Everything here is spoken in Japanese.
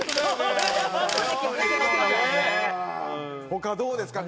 他どうですか？